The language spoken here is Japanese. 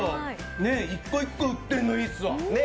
１個１個売ってるのいいですわ。